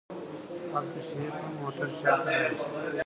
هلته شريف هم موټر شاته راوست.